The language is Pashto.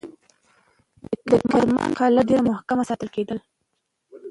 د کرمان قلعه ډېر محکم ساتل کېده.